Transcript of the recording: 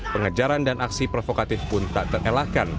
pengejaran dan aksi provokatif pun tak terelakkan